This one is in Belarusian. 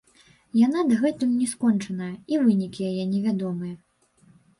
Яна дагэтуль не скончаная, і вынікі яе невядомыя.